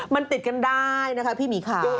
มันติดกันได้นะคะพี่หมีค่ะ